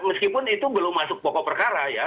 meskipun itu belum masuk pokok perkara ya